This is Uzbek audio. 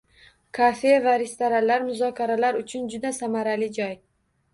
Kafe va restoranlar muzokaralar uchun juda samarali joy.